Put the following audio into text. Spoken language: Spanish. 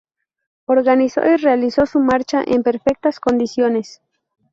Organizó y realizó su marcha en perfectas condiciones.